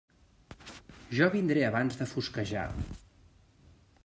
Jo vindré abans de fosquejar.